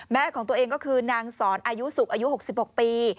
ของตัวเองก็คือนางสอนอายุสุกอายุ๖๖ปี